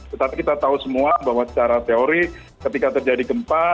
tetapi kita tahu semua bahwa secara teori ketika terjadi gempa